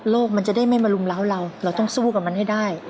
โลกมันจะได้ไม่มาลุมเหล้าเราต้องสู้กับมันให้ได้